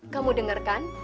kamu denger kan